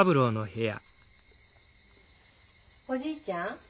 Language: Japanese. ・おじいちゃん。